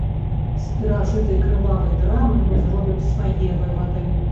З перажытай крывавай драмы мы зробім свае вывады.